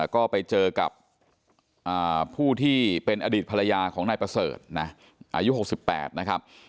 ก็ไปเจอกับผู้ที่เป็นอดีตภรรยาของนายประเสริฐนะอายุ๖๘นะครับ